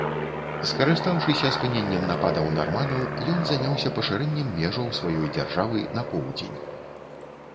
Скарыстаўшыся спыненнем нападаў нарманаў, ён заняўся пашырэннем межаў сваёй дзяржавы на поўдзень.